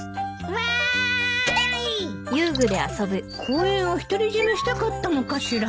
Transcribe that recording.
公園を独り占めしたかったのかしら？